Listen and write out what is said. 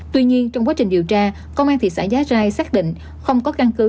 tuy nhiên trong quá trình điều tra công an thị xã giá rai xác định không có căn cứ